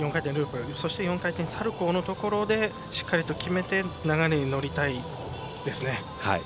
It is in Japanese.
そして４回転サルコーのところでしっかりと決めて流れに乗りたいですね。